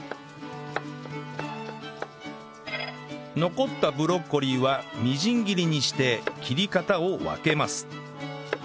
残ったブロッコリーはみじん切りにして切り方を分けます